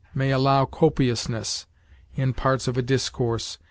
may allow copiousness ... in parts of a discourse